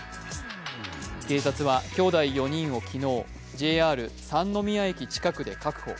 警察はきょうだい４人を昨日、ＪＲ三ノ宮駅近くで確保。